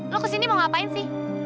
lo kesini mau ngapain sih